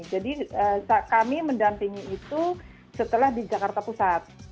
jadi kami mendampingi itu setelah di jakarta pusat